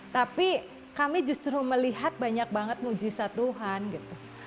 tapi kami justru melihat banyak banget mujisa tuhan gitu